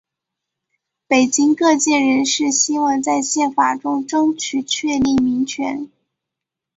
北京各界人士希望在宪法中争取确立民权。